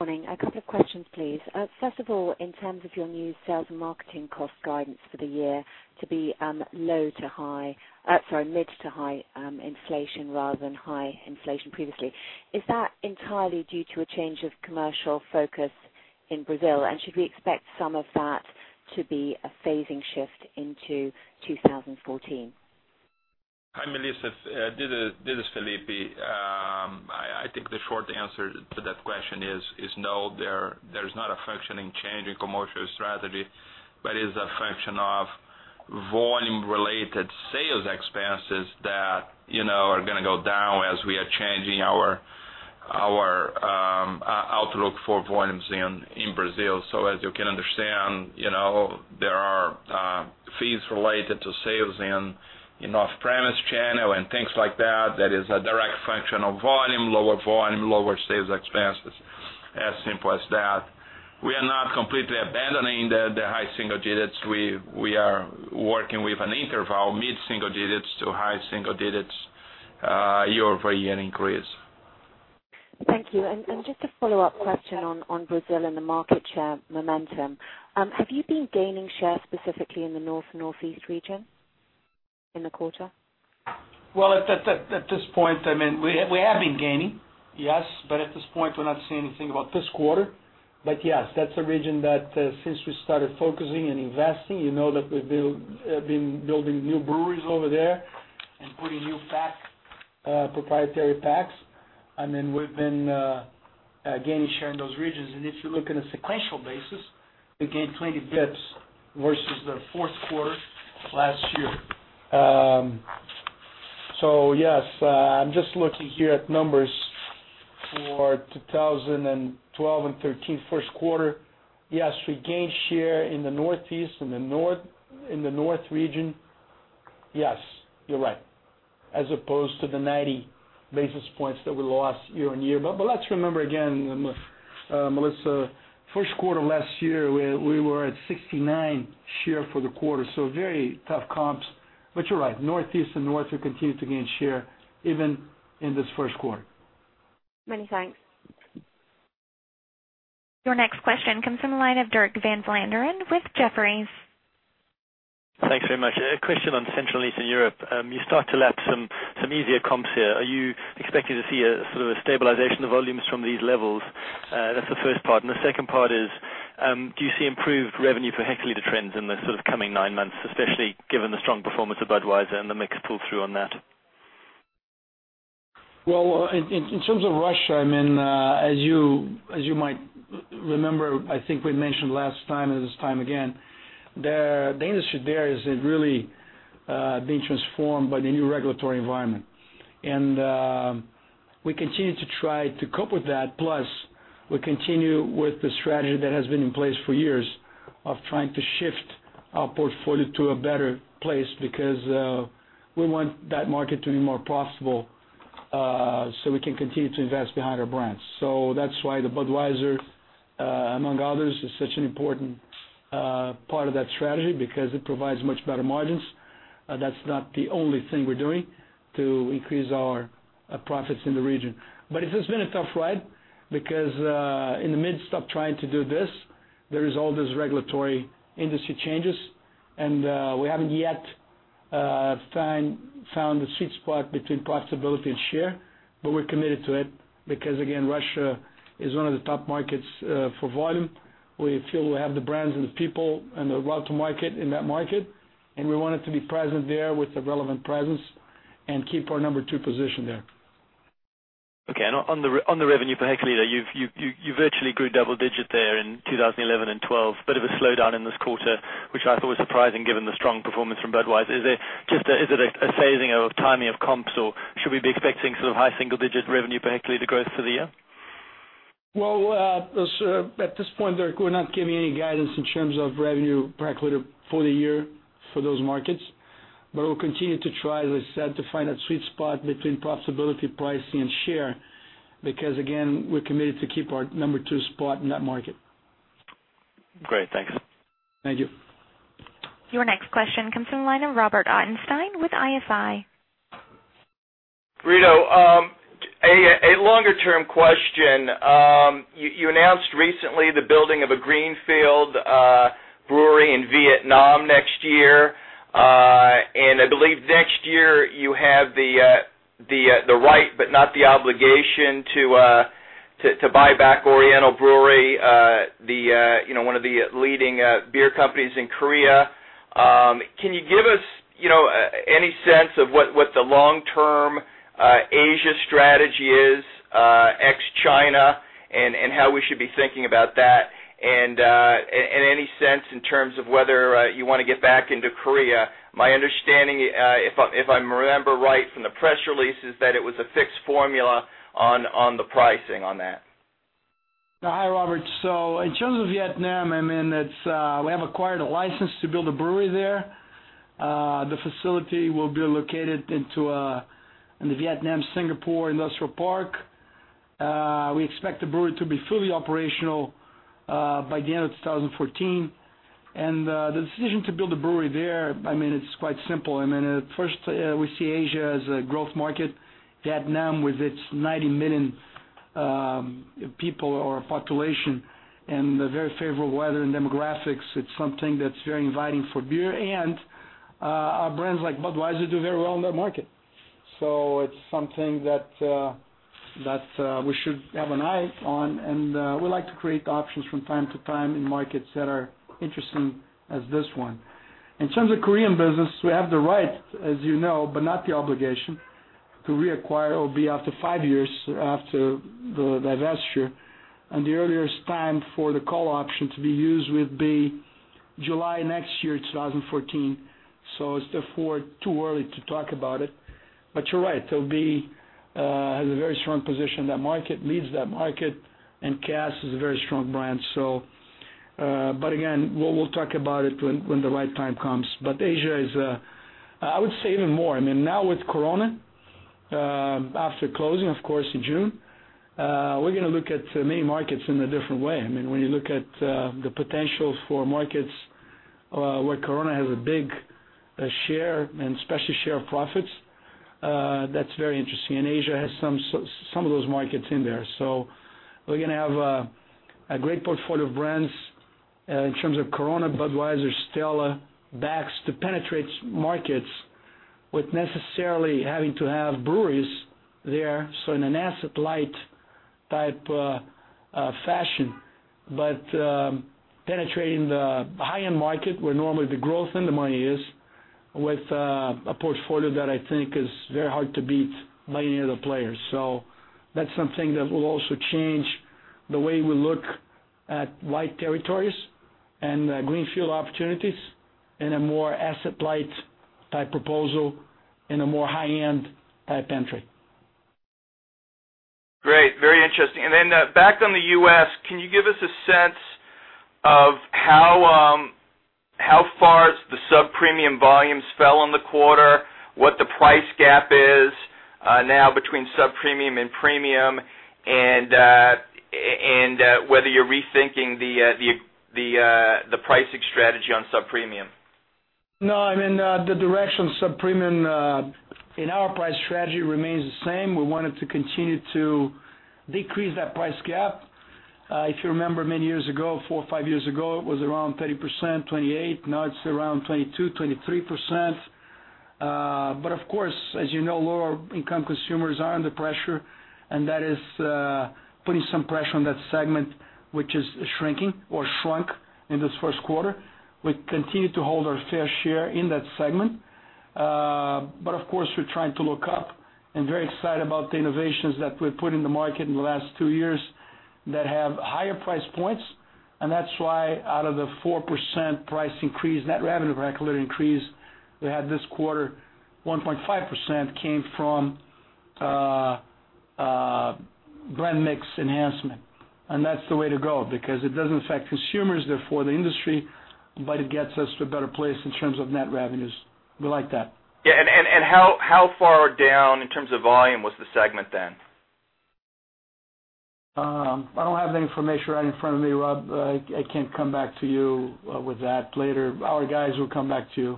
Morning. A couple of questions, please. First of all, in terms of your new sales and marketing cost guidance for the year to be mid to high inflation rather than high inflation previously. Is that entirely due to a change of commercial focus in Brazil, and should we expect some of that to be a phasing shift into 2014? Hi, Melissa. This is Felipe. I think the short answer to that question is no, there's not a functioning change in commercial strategy, but is a function of volume-related sales expenses that are going to go down as we are changing our outlook for volumes in Brazil. As you can understand, there are fees related to sales in off-premise channel and things like that is a direct function of volume. Lower volume, lower sales expenses, as simple as that. We are not completely abandoning the high single digits. We are working with an interval, mid single digits to high single digits year-over-year increase. Thank you. Just a follow-up question on Brazil and the market share momentum. Have you been gaining share specifically in the North, Northeast region in the quarter? Well, at this point, we have been gaining, yes, but at this point, we're not saying anything about this quarter. Yes, that's a region that since we started focusing and investing, you know that we've been building new breweries over there and putting new proprietary packs, and then we've been gaining share in those regions. If you look in a sequential basis, we gained 20 basis points versus the fourth quarter last year. Yes. I'm just looking here at numbers for 2012 and 2013 first quarter. Yes, we gained share in the Northeast and the North region. Yes, you're right. As opposed to the 90 basis points that we lost year-over-year. Let's remember again, Melissa, first quarter last year, we were at 69 share for the quarter, so very tough comps. You're right, Northeast and North, we continued to gain share even in this first quarter. Many thanks. Your next question comes from the line of Dirk Van Vlaanderen with Jefferies. Thanks very much. A question on Central Eastern Europe. You start to lap some easier comps here. Are you expecting to see a sort of a stabilization of volumes from these levels? That's the first part. The second part is, do you see improved revenue per hectoliter trends in the sort of coming nine months, especially given the strong performance of Budweiser and the mix pull-through on that? Well, in terms of Russia, as you might remember, I think we mentioned last time and this time again, the industry there is really being transformed by the new regulatory environment. We continue to try to cope with that. Plus, we continue with the strategy that has been in place for years of trying to shift our portfolio to a better place because we want that market to be more profitable, so we can continue to invest behind our brands. That's why the Budweiser, among others, is such an important part of that strategy, because it provides much better margins. That's not the only thing we're doing to increase our profits in the region. It has been a tough ride because in the midst of trying to do this, there is all this regulatory industry changes, and we haven't yet found a sweet spot between profitability and share. We're committed to it because, again, Russia is one of the top markets for volume. We feel we have the brands and the people and the route to market in that market, and we wanted to be present there with a relevant presence and keep our number two position there. Okay. On the revenue per hectoliter, you virtually grew double-digit there in 2011 and 2012. Bit of a slowdown in this quarter, which I thought was surprising given the strong performance from Budweiser. Is it a phasing of timing of comps, or should we be expecting sort of high single-digit revenue per hectoliter growth for the year? Well, at this point, Dirk, we're not giving any guidance in terms of revenue per hectoliter for the year for those markets. We'll continue to try, as I said, to find that sweet spot between profitability, pricing, and share, because again, we're committed to keep our number two spot in that market. Great. Thanks. Thank you. Your next question comes from the line of Robert Ottenstein with ISI. Brito, a longer-term question. You announced recently the building of a greenfield brewery in Vietnam next year. I believe next year you have the right, but not the obligation, to buy back Oriental Brewery, one of the leading beer companies in Korea. Can you give us any sense of what the long-term Asia strategy is, ex-China, and how we should be thinking about that? Any sense in terms of whether you want to get back into Korea. My understanding, if I remember right from the press release, is that it was a fixed formula on the pricing on that. Hi, Robert. In terms of Vietnam, we have acquired a license to build a brewery there. The facility will be located in the Vietnam Singapore Industrial Park. We expect the brewery to be fully operational by the end of 2014. The decision to build a brewery there, it's quite simple. First, we see Asia as a growth market. Vietnam, with its 90 million people or population and the very favorable weather and demographics, it's something that's very inviting for beer. Our brands like Budweiser do very well in that market. It's something that we should have an eye on, and we like to create options from time to time in markets that are interesting as this one. In terms of Korean business, we have the right, as you know, but not the obligation, to reacquire OB after five years after the divesture. The earliest time for the call option to be used would be July next year, 2014. It's therefore too early to talk about it. You're right, OB has a very strong position in that market, leads that market, and Cass is a very strong brand. Again, we'll talk about it when the right time comes. Asia, I would say even more, now with Corona, after closing, of course, in June, we're going to look at many markets in a different way. When you look at the potential for markets where Corona has a big share, and especially share of profits, that's very interesting. Asia has some of those markets in there. We're going to have a great portfolio of brands in terms of Corona, Budweiser, Stella, Beck's, to penetrate markets with necessarily having to have breweries there, in an asset-light type fashion. Penetrating the high-end market, where normally the growth and the money is, with a portfolio that I think is very hard to beat by any other players. That's something that will also change the way we look at white territories and greenfield opportunities in a more asset-light type proposal, in a more high-end type entry. Great. Very interesting. Back on the U.S., can you give us a sense of how far the subpremium volumes fell in the quarter, what the price gap is now between subpremium and premium, and whether you're rethinking the- No, I mean, the direction sub-premium in our price strategy remains the same. We wanted to continue to decrease that price gap. If you remember many years ago, four or five years ago, it was around 30%, 28%. Now it's around 22%, 23%. Of course, as you know, lower-income consumers are under pressure, and that is putting some pressure on that segment, which is shrinking or shrunk in this first quarter. We continue to hold our fair share in that segment. Of course, we're trying to look up and very excited about the innovations that we've put in the market in the last two years that have higher price points. That's why out of the 4% price increase, net revenue granularity increase we had this quarter, 1.5% came from brand mix enhancement. That's the way to go, because it doesn't affect consumers, therefore the industry, but it gets us to a better place in terms of net revenues. We like that. Yeah. How far down in terms of volume was the segment then? I don't have the information right in front of me, Rob. I can come back to you with that later. Our guys will come back to you.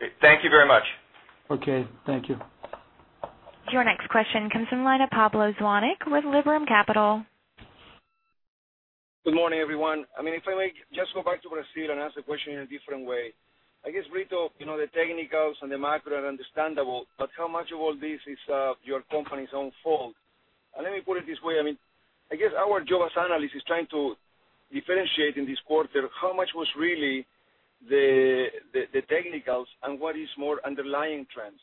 Okay, thank you very much. Okay, thank you. Your next question comes from the line of Pablo Zuanic with Liberum Capital. Good morning, everyone. If I may just go back to Brazil and ask the question in a different way. I guess, Brito, the technicals and the macro are understandable, but how much of all this is your company's own fault? Let me put it this way. I guess our job as analysts is trying to differentiate in this quarter how much was really the technicals and what is more underlying trends.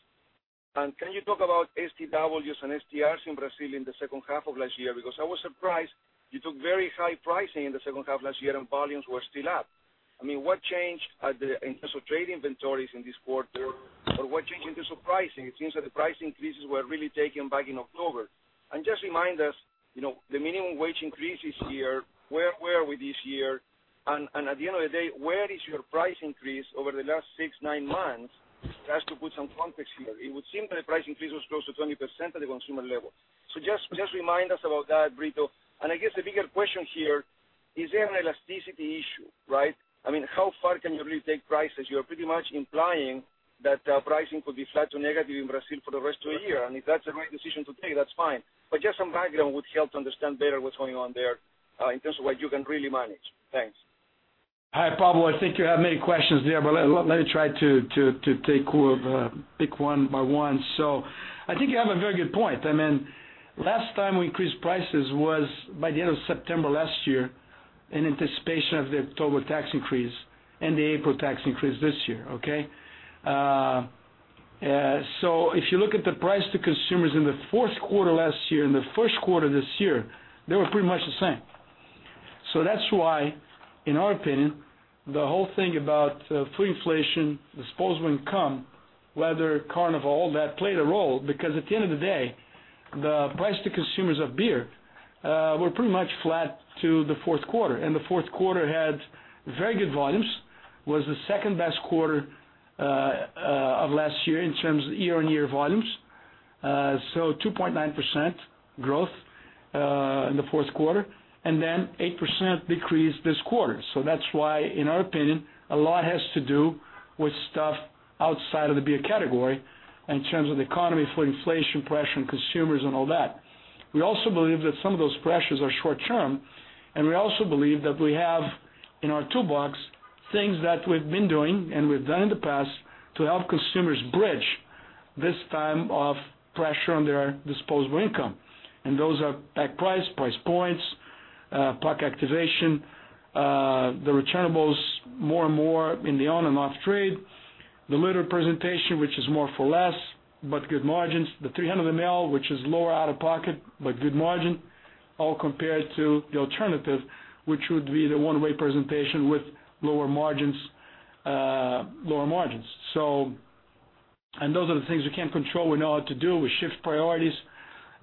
Can you talk about STWs and STRs in Brazil in the second half of last year? Because I was surprised you took very high pricing in the second half of last year, and volumes were still up. What changed in terms of trade inventories in this quarter? Or what changed in terms of pricing? It seems that the price increases were really taken back in October. Just remind us, the minimum wage increase this year, where are we this year? At the end of the day, where is your price increase over the last six, nine months? Just to put some context here. It would seem that the price increase was close to 20% at the consumer level. Just remind us about that, Brito. I guess the bigger question here, is there an elasticity issue, right? How far can you really take prices? You're pretty much implying that pricing could be flat to negative in Brazil for the rest of the year. If that's the right decision to take, that's fine. Just some background would help to understand better what's going on there in terms of what you can really manage. Thanks. Hi, Pablo. I think you have many questions there, let me try to pick one by one. I think you have a very good point. Last time we increased prices was by the end of September last year in anticipation of the October tax increase and the April tax increase this year. Okay? If you look at the price to consumers in the fourth quarter last year and the first quarter this year, they were pretty much the same. That's why, in our opinion, the whole thing about food inflation, disposable income, weather, Carnival, that played a role. At the end of the day, the price to consumers of beer were pretty much flat to the fourth quarter. The fourth quarter had very good volumes, was the second-best quarter of last year in terms of year-on-year volumes. 2.9% growth in the fourth quarter, 8% decrease this quarter. That's why, in our opinion, a lot has to do with stuff outside of the beer category in terms of the economy, food inflation pressure on consumers and all that. We also believe that some of those pressures are short-term, we also believe that we have in our toolbox things that we've been doing and we've done in the past to help consumers bridge this time of pressure on their disposable income. Those are pack price points, pack activation, the returnables more and more in the on and off-trade. The liter presentation, which is more for less, but good margins. The 300 ml, which is lower out-of-pocket, but good margin, all compared to the alternative, which would be the one-way presentation with lower margins. Those are the things we can't control. We know what to do. We shift priorities,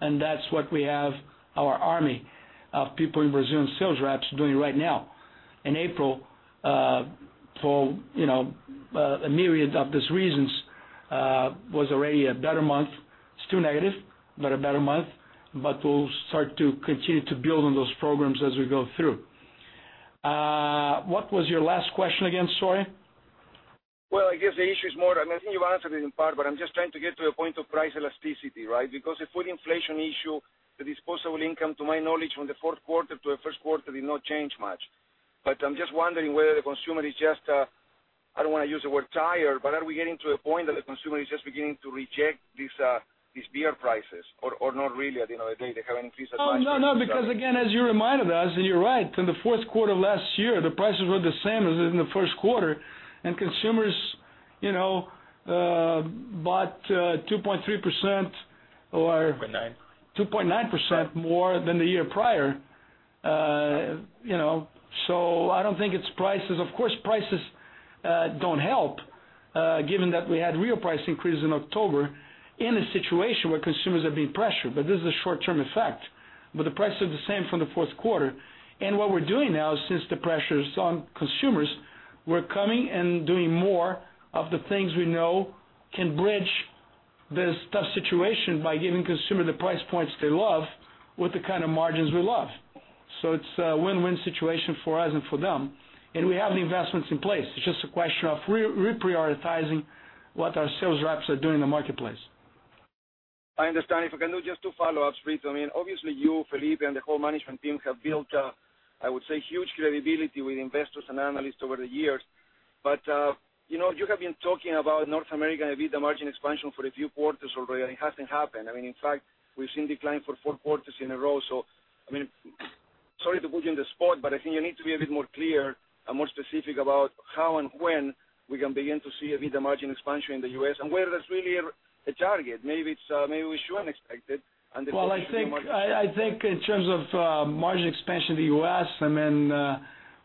that's what we have our army of people in Brazil and sales reps doing right now. In April, for a myriad of these reasons, was already a better month. Still negative, but a better month. We'll start to continue to build on those programs as we go through. What was your last question again? Sorry. Well, I guess the issue is more, and I think you answered it in part, but I'm just trying to get to a point of price elasticity, right? Because the food inflation issue, the disposable income, to my knowledge, from the fourth quarter to the first quarter did not change much. I'm just wondering whether the consumer is just, I don't want to use the word tired, but are we getting to a point that the consumer is just beginning to reject these beer prices or not really, at the end of the day, they have an increased advice. No, because again, as you reminded us, and you're right, in the fourth quarter last year, the prices were the same as in the first quarter, and consumers bought 2.3% or. 2.9 2.9% more than the year prior. I don't think it's prices. Of course, prices don't help, given that we had real price increases in October in a situation where consumers are being pressured. This is a short-term effect. The price is the same from the fourth quarter. What we're doing now, since the pressure's on consumers, we're coming and doing more of the things we know can bridge this tough situation by giving consumer the price points they love with the kind of margins we love. It's a win-win situation for us and for them. We have the investments in place. It's just a question of reprioritizing what our sales reps are doing in the marketplace. I understand. If we can do just two follow-ups, Brito, Obviously, you, Felipe, and the whole management team have built, I would say, huge credibility with investors and analysts over the years. You have been talking about North American EBITDA margin expansion for a few quarters already, and it hasn't happened. In fact, we've seen decline for four quarters in a row. Sorry to put you on the spot, but I think you need to be a bit more clear and more specific about how and when we can begin to see EBITDA margin expansion in the U.S., and whether there's really a target. Maybe we shouldn't expect it, and the focus should be more. Well, I think in terms of margin expansion in the U.S.,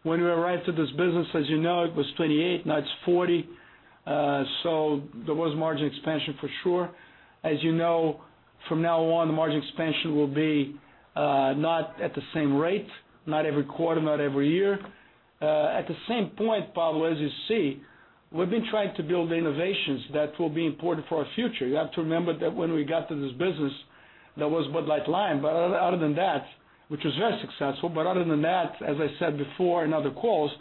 when we arrived at this business, as you know, it was 28, now it's 40. There was margin expansion for sure. As you know, from now on, the margin expansion will be not at the same rate, not every quarter, not every year. At the same point, Pablo, as you see, we've been trying to build innovations that will be important for our future. You have to remember that when we got to this business, there was Bud Light Lime. Which was very successful, but other than that, as I said before in other calls,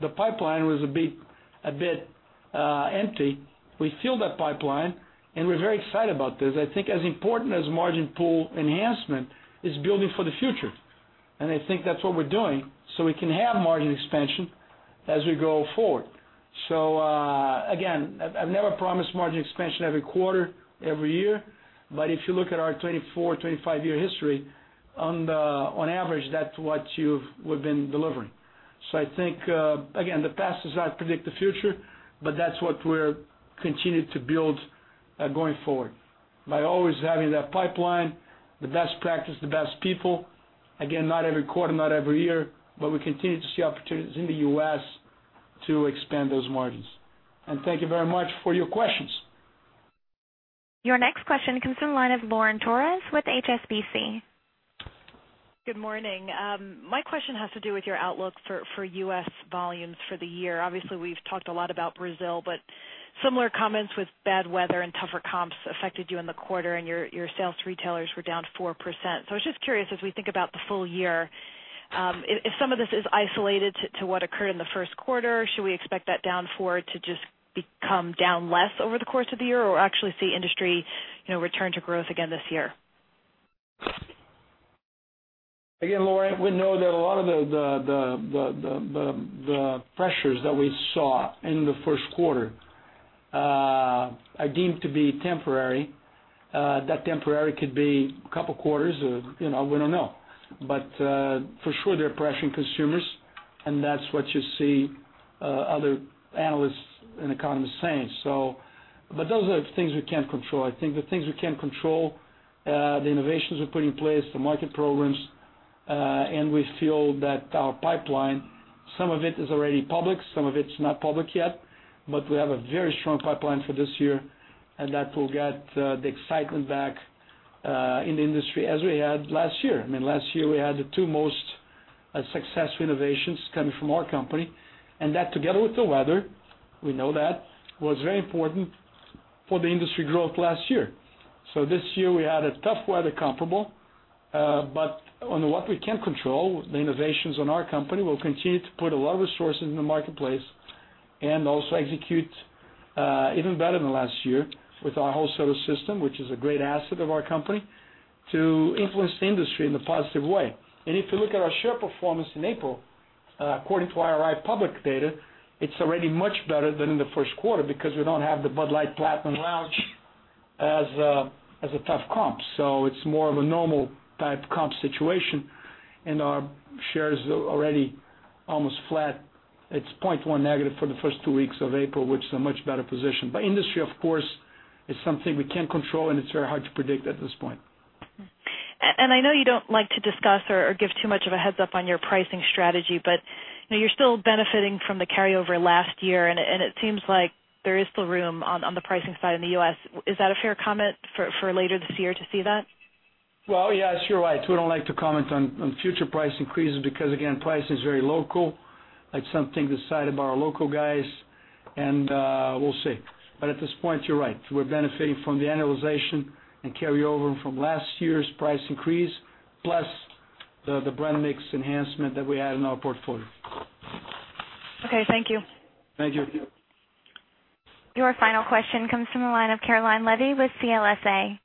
the pipeline was a bit empty. We filled that pipeline, and we're very excited about this. I think as important as margin pool enhancement is building for the future. I think that's what we're doing, so we can have margin expansion as we go forward. Again, I've never promised margin expansion every quarter, every year. If you look at our 24, 25 year history, on average, that's what we've been delivering. I think, again, the past does not predict the future, but that's what we're continuing to build going forward by always having that pipeline, the best practice, the best people. Again, not every quarter, not every year, but we continue to see opportunities in the U.S. to expand those margins. Thank you very much for your questions. Your next question comes from the line of Lauren Torres with HSBC. Good morning. My question has to do with your outlook for U.S. volumes for the year. Obviously, we've talked a lot about Brazil, but similar comments with bad weather and tougher comps affected you in the quarter, and your sales to retailers were down 4%. I was just curious, as we think about the full year, if some of this is isolated to what occurred in the first quarter, should we expect that down 4% to just become down less over the course of the year? Actually see industry return to growth again this year? Lauren, we know that a lot of the pressures that we saw in the first quarter are deemed to be temporary. That temporary could be a couple of quarters, we don't know. For sure, they're pressuring consumers, and that's what you see other analysts and economists saying. Those are things we can't control. I think the things we can control, the innovations we put in place, the market programs, and we feel that our pipeline, some of it is already public, some of it's not public yet. We have a very strong pipeline for this year, and that will get the excitement back in the industry as we had last year. Last year, we had the two most successful innovations coming from our company. That, together with the weather, we know that, was very important for the industry growth last year. This year we had a tough weather comparable. On what we can control, the innovations on our company, we'll continue to put a lot of resources in the marketplace and also execute even better than last year with our wholesale system, which is a great asset of our company, to influence the industry in a positive way. If you look at our share performance in April, according to IRI public data, it's already much better than in the first quarter because we don't have the Bud Light Platinum launch as a tough comp. It's more of a normal-type comp situation, and our shares are already almost flat. It's point one negative for the first two weeks of April, which is a much better position. Industry, of course, is something we can't control, and it's very hard to predict at this point. I know you don't like to discuss or give too much of a heads-up on your pricing strategy, you're still benefiting from the carryover last year, and it seems like there is still room on the pricing side in the U.S. Is that a fair comment for later this year to see that? Well, yeah, sure. We don't like to comment on future price increases because, again, price is very local. It's something decided by our local guys, and we'll see. At this point, you're right. We're benefiting from the annualization and carryover from last year's price increase, plus the brand mix enhancement that we had in our portfolio. Okay, thank you. Thank you. Your final question comes from the line of Caroline Levy with CLSA.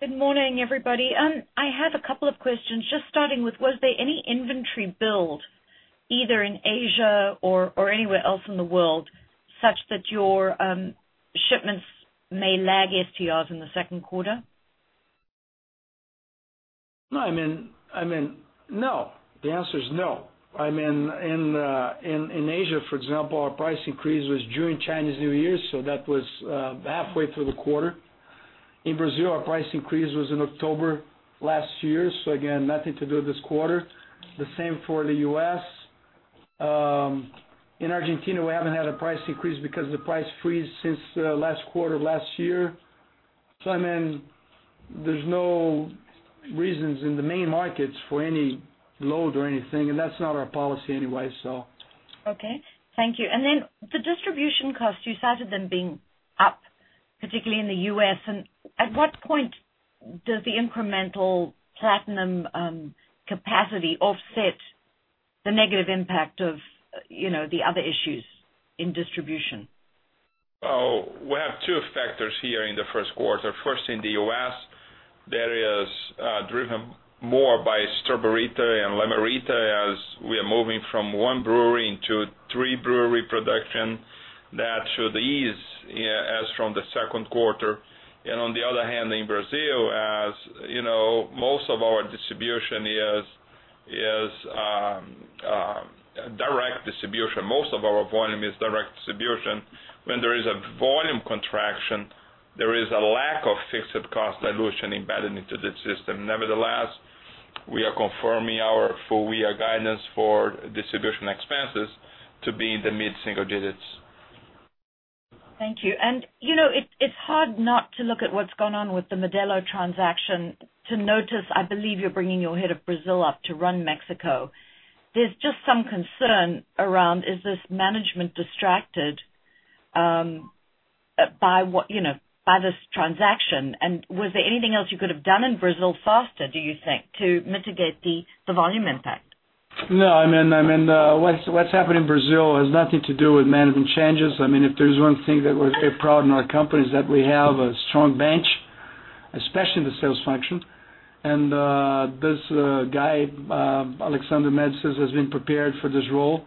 Good morning, everybody. I have a couple of questions. Just starting with, was there any inventory build, either in Asia or anywhere else in the world, such that your shipments may lag STRs in the second quarter? No. The answer is no. In Asia, for example, our price increase was during Chinese New Year, that was halfway through the quarter. In Brazil, our price increase was in October last year, again, nothing to do with this quarter. The same for the U.S. In Argentina, we haven't had a price increase because the price freeze since last quarter, last year. There's no reasons in the main markets for any load or anything, and that's not our policy anyway, so Okay. Thank you. The distribution costs, you cited them being up particularly in the U.S. At what point does the incremental Platinum capacity offset the negative impact of the other issues in distribution? We have two factors here in the first quarter. First, in the U.S., that is driven more by Straw-Ber-Rita and Lime-A-Rita as we are moving from one brewery into three brewery production. That should ease as from the second quarter. On the other hand, in Brazil, as most of our distribution is direct distribution. Most of our volume is direct distribution. When there is a volume contraction, there is a lack of fixed cost dilution embedded into the system. Nevertheless, we are confirming our full year guidance for distribution expenses to be in the mid-single digits. Thank you. It's hard not to look at what's gone on with the Modelo transaction to notice, I believe you're bringing your head of Brazil up to run Mexico. There's just some concern around, is this management distracted by this transaction? Was there anything else you could have done in Brazil faster, do you think, to mitigate the volume impact? No, what's happened in Brazil has nothing to do with management changes. If there's one thing that we're very proud in our company is that we have a strong bench, especially in the sales function. This guy, Alexandre Médicis, has been prepared for this role.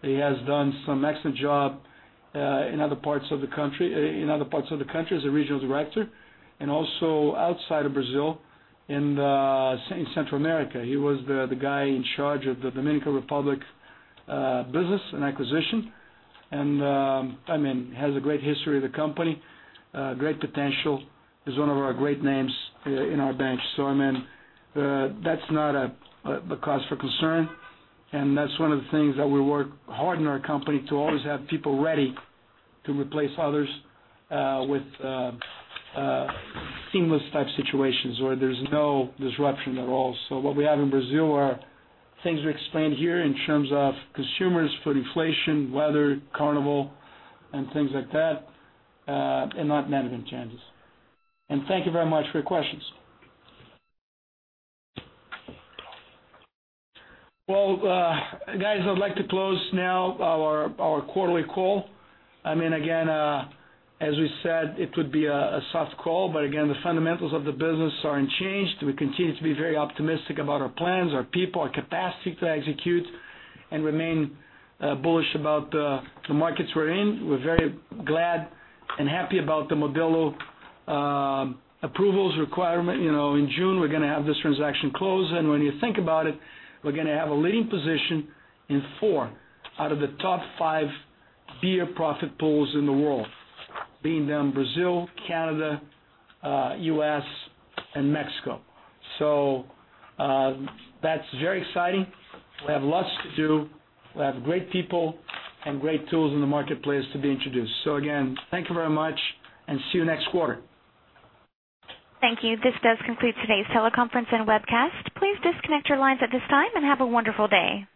He has done some excellent job in other parts of the country as a regional director, and also outside of Brazil in Central America. He was the guy in charge of the Dominican Republic business and acquisition, and has a great history with the company, great potential. He's one of our great names in our bench. That's not a cause for concern, and that's one of the things that we work hard in our company to always have people ready to replace others with seamless type situations where there's no disruption at all. What we have in Brazil are things we explained here in terms of consumers, food inflation, weather, Carnival and things like that, and not management changes. Thank you very much for your questions. Well, guys, I'd like to close now our quarterly call. Again, as we said, it would be a soft call. Again, the fundamentals of the business are unchanged. We continue to be very optimistic about our plans, our people, our capacity to execute, and remain bullish about the markets we're in. We're very glad and happy about the Modelo approvals requirement. In June, we're going to have this transaction closed, and when you think about it, we're going to have a leading position in four out of the top five beer profit pools in the world, being them Brazil, Canada, U.S. and Mexico. That's very exciting. We have lots to do. We have great people and great tools in the marketplace to be introduced. Again, thank you very much and see you next quarter. Thank you. This does conclude today's teleconference and webcast. Please disconnect your lines at this time and have a wonderful day.